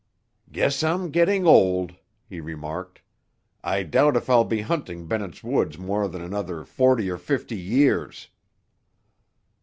"Guess I'm getting old," he remarked. "I doubt if I'll be hunting Bennett's Woods more than another forty or fifty years."